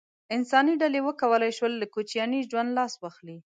انساني ډلې وکولای شول له کوچیاني ژوند لاس واخلي.